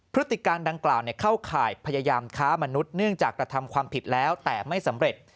พฤติการดังกล่าวเข้าข่ายพยายามค้ามนุษย์เนื่องจากกระทำความผิดแล้วแต่ไม่สำเร็จ